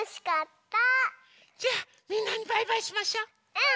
うん！